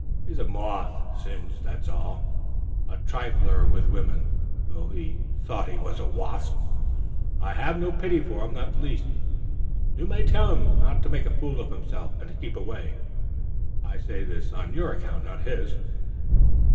He is a moth singed, that is all the trifler with women thought he was a wasp. I have no pity for him, not the least. You may tell him not to make a fool of himself, and to keep away. I say this on your account, not his.